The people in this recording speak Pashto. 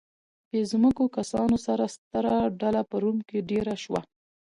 بې ځمکو کسانو ستره ډله په روم کې دېره شوه